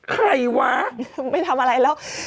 ใครวะไม่ทำอะไรแล้ว